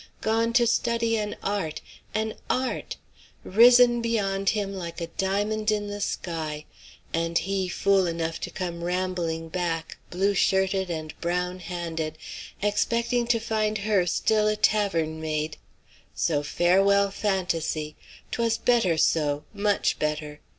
Gone to study an art, an art! Risen beyond him "like a diamond in the sky." And he fool enough to come rambling back, blue shirted and brown handed, expecting to find her still a tavern maid! So, farewell fantasy! 'Twas better so; much better.